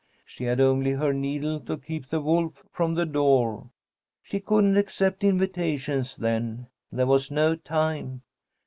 She had only her needle to keep the wolf from the door. She couldn't accept invitations then. There was no time.